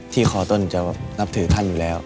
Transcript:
คอต้นจะนับถือท่านอยู่แล้ว